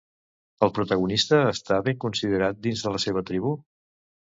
El protagonista està ben considerat dins de la seva tribu?